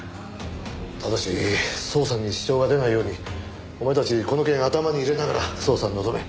ただし捜査に支障が出ないようにお前たちこの件頭に入れながら捜査に臨め。